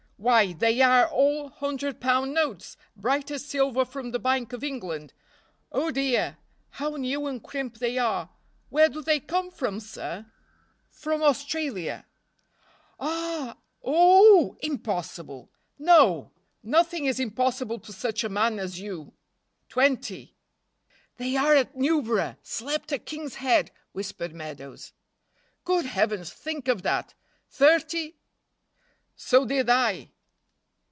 "Why, they are all hundred pound notes, bright as silver from the Bank of England. Oh, dear! how new and crimp they are where do they come from, sir?" "From Australia." "Ah! Oh, impossible! No! nothing is impossible to such a man as you. Twenty." "They are at Newborough slept at 'King's Head,'" whispered Meadows. "Good Heavens! think of that. Thirty " "So did I."